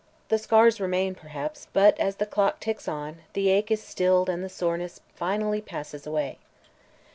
The scars remain, perhaps, but as the clock ticks on the ache is stilled and the soreness finally passes away.